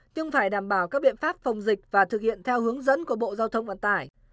nhưng phải đảm bảo các biện pháp phòng dịch và thực hiện theo hướng dẫn của bộ giao thông vận tải